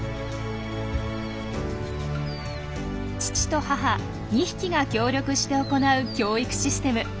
父と母２匹が協力して行う教育システム。